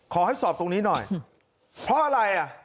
ขอให้สอบตรงนี้หน่อยเพราะอะไรอ่ะ